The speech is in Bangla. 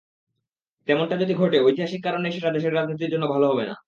তেমনটা যদি ঘটে, ঐতিহাসিক কারণেই সেটা দেশের রাজনীতির জন্য ভালো হবে না।